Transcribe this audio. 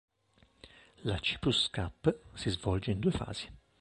La Cyprus Cup si svolge in due fasi.